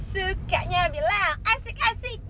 sukanya bilang asik asik